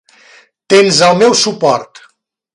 Tens el meu suport!